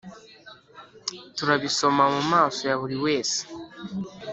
turabisoma mumaso ya buri wese,